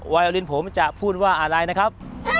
วายวารินผมจะพูดว่าอะไรนะครับ